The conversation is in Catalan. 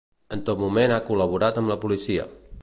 En tot moment ha col·laborat amb la policia.